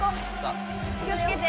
・気をつけて。